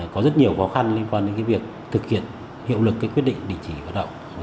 có rất nhiều khó khăn liên quan đến việc thực hiện hiệu lực quyết định đình chỉ hoạt động